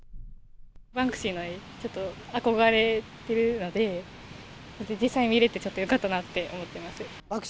バンクシーの絵、ちょっと憧れてるので、実際に見れてちょっとよかったなって思ってます。